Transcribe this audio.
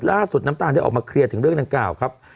น้ำตาลได้ออกมาเคลียร์ถึงเรื่องดังกล่าวครับ